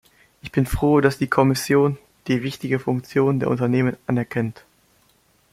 Ich bin froh, dass die Kommission die wichtige Funktion der Unternehmen anerkennt.